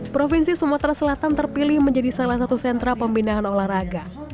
provinsi sumatera selatan terpilih menjadi salah satu sentra pembinaan olahraga